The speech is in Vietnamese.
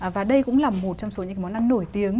và đây cũng là một trong số những món ăn nổi tiếng